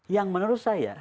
yang menurut saya